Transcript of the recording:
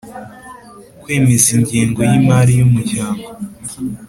kwemeza ingengo y imari y umuryango